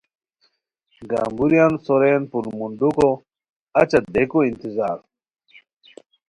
گمبوریان سورین پولمونڈوکو اچہ دیکو انتظار